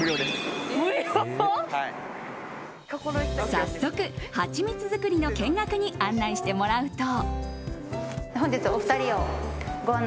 早速ハチミツ作りの見学に案内してもらうと。